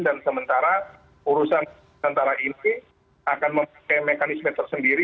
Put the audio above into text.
dan sementara urusan tni ini akan memakai mekanisme tersendiri